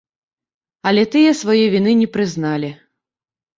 Але тыя сваёй віны не прызналі.